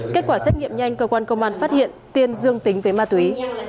kết quả xét nghiệm nhanh cơ quan công an phát hiện tiên dương tính với ma túy